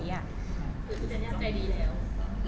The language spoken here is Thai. คือคุณคือใจดีแล้ว